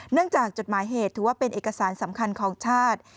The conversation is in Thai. จากจดหมายเหตุถือว่าเป็นเอกสารสำคัญของชาติ